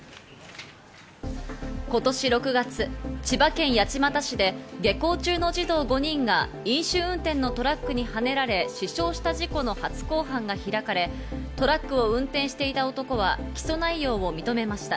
今年６月、千葉県八街市で下校中の児童５人が飲酒運転のトラックにはねられ死傷した事故の初公判が開かれ、トラックを運転していた男は起訴内容を認めました。